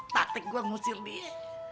taktik gua ngusir dia